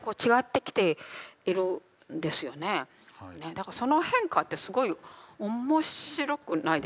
だからその変化ってすごい面白くないですか。